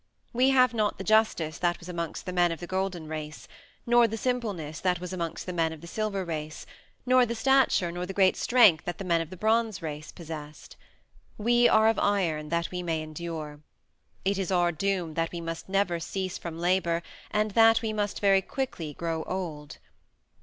We have not the justice that was amongst the men of the Golden Race, nor the simpleness that was amongst the men of the Silver Race, nor the stature nor the great strength that the men of the Bronze Race possessed. We are of iron that we may endure. It is our doom that we must never cease from labor and that we must very quickly grow old.